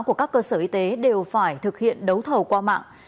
của các cơ sở y tế đều phải thực hiện đấu thầu qua mạng